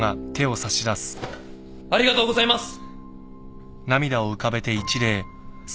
ありがとうございます！